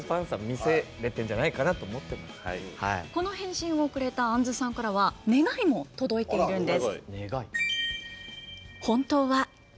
この返信をくれたあんずさんからは願いも届いているんです。